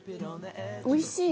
おいしい。